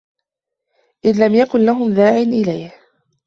إذْ لَمْ يَكُنْ لَهُمْ دَاعٍ إلَيْهِ